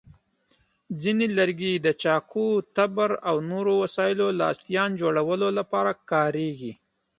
ځینې لرګي د چاقو، تبر، او نورو وسایلو لاستیان جوړولو لپاره کارېږي.